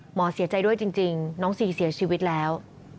เสียใจด้วยจริงน้องซีเสียชีวิตแล้ว